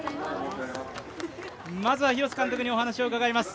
まずは廣瀬監督にお話を伺います。